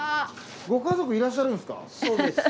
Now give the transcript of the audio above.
ご家族いらっしゃるんですか？